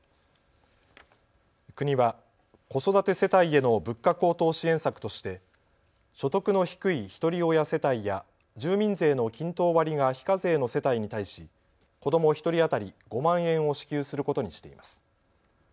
国は子育て世帯への物価高騰支援策として所得の低いひとり親世帯や住民税の均等割が非課税の世帯に対し子ども１人当たり５万円を支給することにしています。